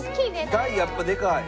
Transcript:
大やっぱでかい。